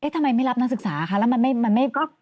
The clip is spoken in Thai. ทำไมไม่รับนักศึกษาคะแล้วมันไม่ก็